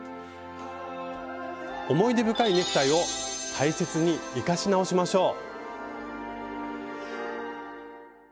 思い出深いネクタイを大切に生かし直しましょう！